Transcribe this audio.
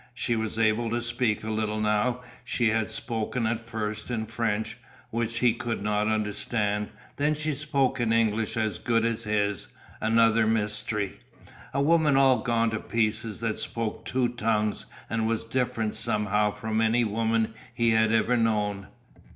She was able to speak a little now. She had spoken at first in French, which he could not understand, then she spoke in English as good as his; another mystery. A woman all gone to pieces that spoke two tongues and was different somehow from any woman he had ever known.